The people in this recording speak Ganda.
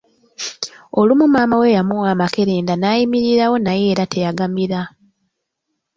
Olumu maama we yamuwa amakerenda naayimirirawo naye era teyagamira